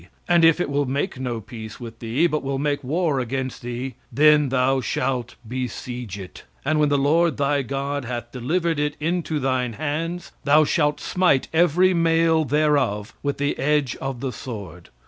"And if it will make no peace with thee, but will make war against thee, then thou shalt besiege it. "And when the Lord thy God hath delivered it into thine hands, thou shalt smite every male thereof with the edge of the sword.